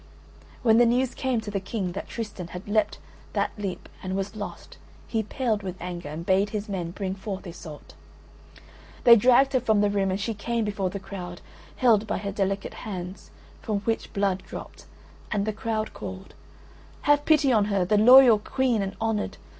When the news came to the King that Tristan had leapt that leap and was lost he paled with anger, and bade his men bring forth Iseult. They dragged her from the room, and she came before the crowd, held by her delicate hands, from which blood dropped, and the crowd called: "Have pity on her—the loyal Queen and honoured!